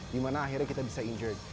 dimana akhirnya kita bisa engger